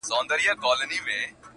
سړي ښخ کئ سپي د کلي هدیره کي,